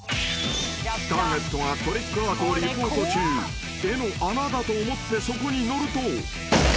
［ターゲットがトリックアートをリポート中絵の穴だと思ってそこに乗ると］